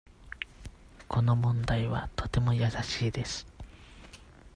この問題はとても易しいです。